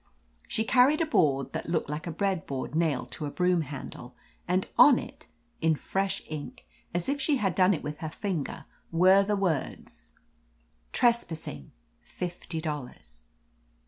She carried a board that looked like a breadboard nailed to a broom handle, and on it, in fresh ink, as if she had done it with her finger, were the words : Trespassing — fifty dollars."